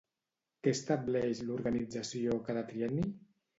Què estableix l'organització cada trienni?